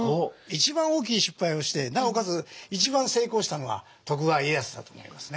一番大きい失敗をしてなおかつ一番成功したのは徳川家康だと思いますね。